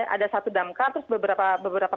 ada satu damkar terus beberapa